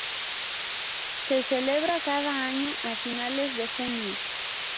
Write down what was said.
Se celebra cada año a finales de junio.